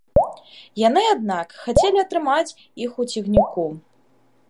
Яны, аднак, хацелі атрымаць іх у цягніку.